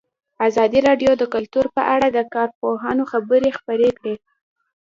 ازادي راډیو د کلتور په اړه د کارپوهانو خبرې خپرې کړي.